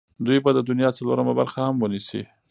دوی به د دنیا څلورمه برخه هم ونیسي.